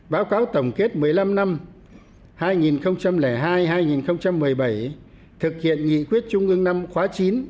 báo cáo tổng kết một mươi năm năm hai nghìn hai hai nghìn một mươi bảy thực hiện nghị quyết trung ương năm khóa chín